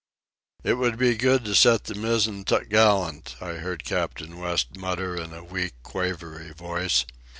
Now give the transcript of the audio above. "It would be good to set the mizzen topgallant," I heard Captain West mutter in a weak, quavery voice.